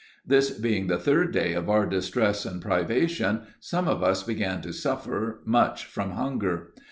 This being the third day of our distress and privation, some of us began to suffer much from hunger.